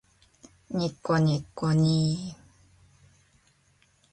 にっこにっこにー